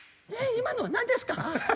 今のなんですか？